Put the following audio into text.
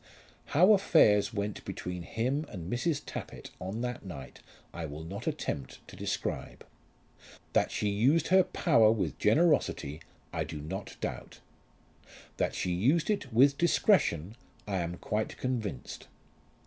How affairs went between him and Mrs. Tappitt on that night I will not attempt to describe. That she used her power with generosity I do not doubt. That she used it with discretion I am quite convinced.